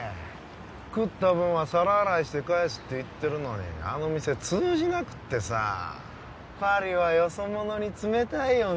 食った分は皿洗いして返すって言ってるのにあの店通じなくってさパリはよそ者に冷たいよね